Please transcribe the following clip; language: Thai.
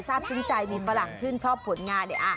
ทราบซึ้งใจมีฝรั่งชื่นชอบผลงาน